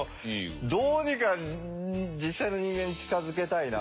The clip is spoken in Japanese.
どうにか実際の人間に近づけたいなって。